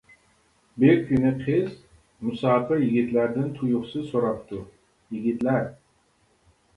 بىر كۈنى قىز مۇساپىر يىگىتلەردىن تۇيۇقسىز سوراپتۇ :-يىگىتلەر!